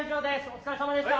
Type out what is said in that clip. お疲れさまでした。